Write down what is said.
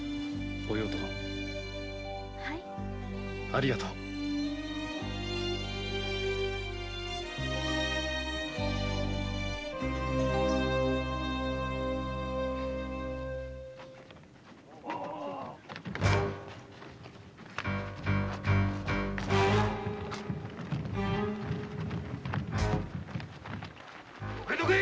ありがとう。どけ！